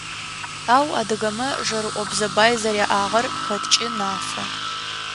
Ау адыгэмэ жэрыӏобзэ бай зэряӏагъэр хэткӏи нафэ.